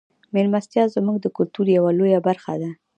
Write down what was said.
میلمستیا زموږ د کلتور یوه لویه برخه ده.